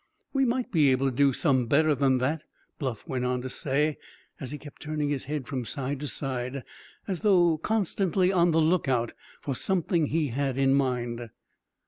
"We might be able to do some better than that," Bluff went on to say, as he kept turning his head from side to side, as though constantly on the lookout for something he had in mind.